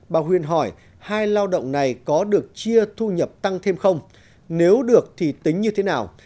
bà huyền hỏi hai lao động này có được chia thu nhập tăng thêm không nếu được thì tính như thế nào